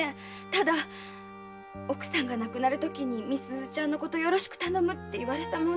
ただ奥さんが亡くなるときに美鈴ちゃんのことをよろしく頼むって言われたものですから。